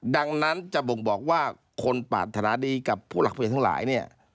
ดังนั้นจะบ่งบอกว่าคนปรารถนาดีกับผู้หลักผู้ใหญ่ทั้งหลายเนี่ย